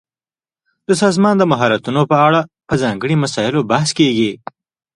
د سازمان د مهارتونو په اړه په ځانګړي مسایلو بحث کیږي.